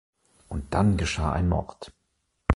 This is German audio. Und dann geschah ein Mord.